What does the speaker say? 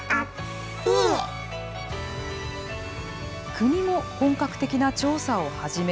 国も本格的な調査を始め